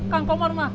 kang komar mah